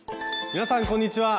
皆さんこんにちは。